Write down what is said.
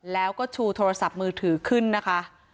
แล้วก็ชูโทรศัพท์มือถือขึ้นนะคะ